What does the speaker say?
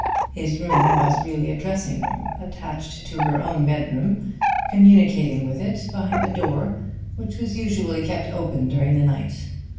His room was really a dressing room attached to her own bedroom, communicating with it by a door which was usually kept open during the night.